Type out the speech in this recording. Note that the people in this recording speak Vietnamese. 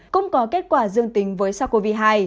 cũng có kết quả dương tính với sars cov hai